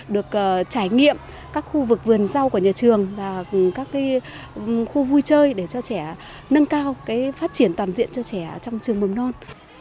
được trải nghiệm các khu vực vườn rau của nhà trường và các khu vui chơi để cho trẻ nâng cao phát triển toàn diện cho trẻ trong trường mầm non